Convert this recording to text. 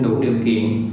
đủ điều kiện